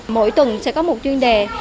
mỗi tuần sẽ có một chuyên đề